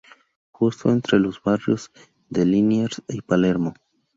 Justo entre los barrios de Liniers y Palermo.